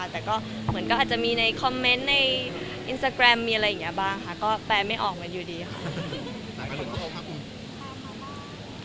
แต่ก็เหมือนก็อาจจะมีในคอมเมนต์ในอินสตาแกรมมีอะไรอย่างนี้บ้างค่ะก็แปลไม่ออกกันอยู่ดีค่ะ